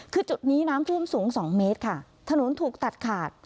คือจุดนี้น้ำท่วมสูง๒เมตรค่ะถนนถูกตัดขาด